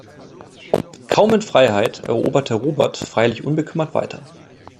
Kaum in Freiheit, eroberte Robert freilich unbekümmert weiter.